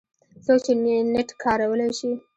څوک چې نېټ کارولی شي